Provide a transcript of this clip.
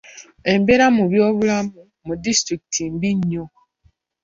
Embeera mu byobulamu mu disitulikiti mbi nnyo.